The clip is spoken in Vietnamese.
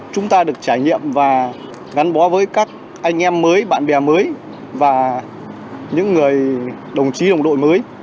chúng ta được trải nghiệm và gắn bó với các anh em mới bạn bè mới và những người đồng chí đồng đội mới